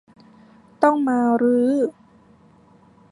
ต้องมารื้อ